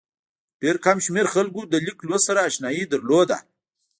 ډېر کم شمېر خلکو له لیک لوست سره اشنايي درلوده.